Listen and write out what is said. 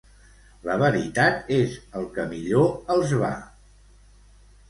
La veritat és el que millor els va.